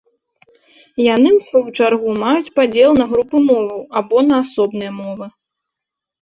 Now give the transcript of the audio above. Яны ў сваю чаргу маюць падзел на групы моваў або на асобныя мовы.